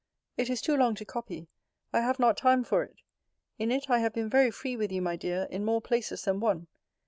It is too long to copy: I have not time for it. In it I have been very free with you, my dear, in more places than one.